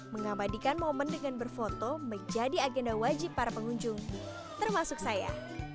mengabadikan momen dengan berfoto menjadi agenda wajib para pengunjung termasuk saya